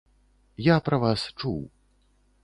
Я пра вас чуў.